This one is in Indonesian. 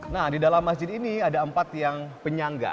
nah di dalam masjid ini ada empat yang penyangga